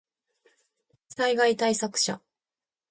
災害対策車